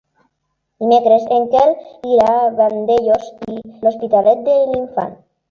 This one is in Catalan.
Dimecres en Quel irà a Vandellòs i l'Hospitalet de l'Infant.